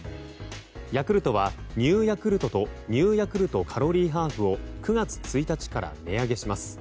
ヤクルトはＮｅｗヤクルトとＮｅｗヤクルトカロリーハーフを９月１日から値上げします。